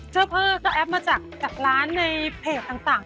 เจ้าพ่อก็แอปมาจากร้านในเพจต่าง